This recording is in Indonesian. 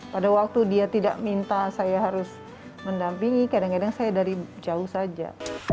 pada waktu dia tidak minta saya harus mendampingi kadang kadang saya dari jauh saja